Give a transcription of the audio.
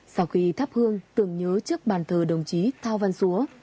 sau khi thắp hương tưởng nhớ trước bàn thờ đồng chí thao văn xúa